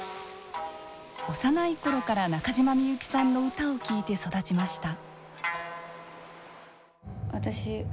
幼い頃から中島みゆきさんの歌を聴いて育ちました。